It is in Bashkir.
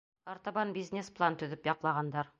Артабан бизнес-план төҙөп яҡлағандар.